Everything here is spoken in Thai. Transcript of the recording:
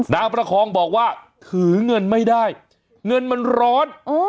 ประคองบอกว่าถือเงินไม่ได้เงินมันร้อน